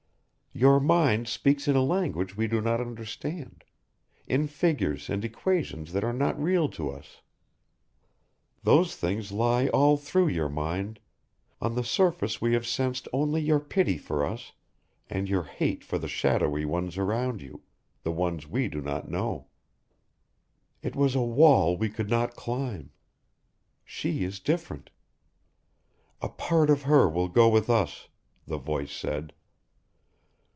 Your mind speaks in a language we do not understand, in figures and equations that are not real to us. Those things lie all through your mind on the surface we have sensed only your pity for us and your hate for the shadowy ones around you, the ones we do not know. It was a wall we could not climb. She is different. "A part of her will go with us," the voice said.